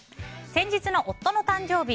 先日の夫の誕生日